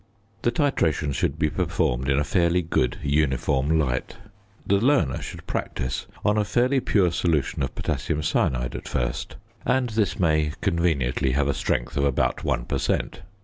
The titration should be performed in a fairly good uniform light. The learner should practice on a fairly pure solution of potassium cyanide at first, and this may conveniently have a strength of about 1 per cent.